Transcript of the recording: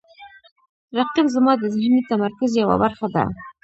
رقیب زما د ذهني تمرکز یوه برخه ده